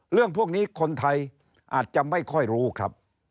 เรื่องพวกนี้คนไทยอาจจะไม่ค่อยรู้ครับ